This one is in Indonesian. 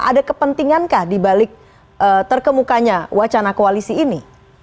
ada kepentingankah di balik terkemukanya wacana koalisi ini